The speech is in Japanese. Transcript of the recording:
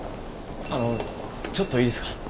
あのちょっといいですか？